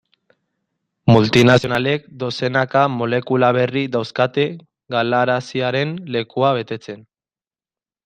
Multinazionalek dozenaka molekula berri dauzkate galaraziaren lekua betetzen.